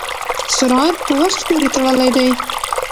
سرعت په وخت پورې تړلی دی.